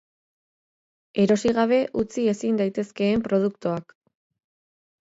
Erosi gabe utzi ezin daitezkeen produktuak!